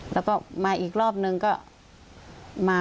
แล้วก็มาอีกรอบนึงก็มา